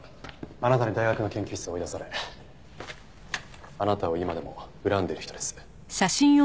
あなたに大学の研究室を追い出されあなたを今でも恨んでる人です。